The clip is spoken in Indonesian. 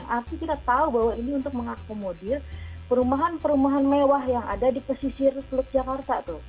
artinya kita tahu bahwa ini untuk mengakomodir perumahan perumahan mewah yang ada di pesisir teluk jakarta tuh